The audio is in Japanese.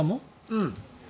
うん。